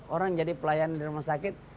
orang jadi pelayan di rumah sakit